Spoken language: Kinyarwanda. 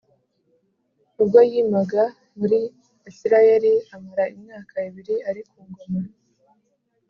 ubwo yimaga muri Isirayeliamara imyaka ibiri ari ku ngoma